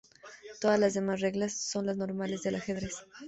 Todas las demás reglas son las normales del ajedrez.